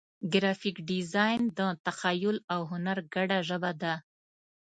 ګرافیک ډیزاین د تخیل او هنر ګډه ژبه ده.